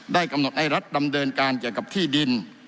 กำหนดให้รัฐดำเนินการเกี่ยวกับที่ดิน